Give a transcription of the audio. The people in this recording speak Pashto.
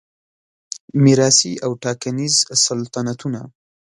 میراثي او ټاکنیز سلطنتونه